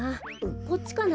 こっちかな？